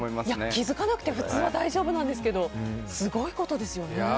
気づかなくて普通は大丈夫なんですけどすごいことですよね。